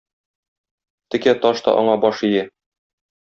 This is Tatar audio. Текә таш та аңа баш ия.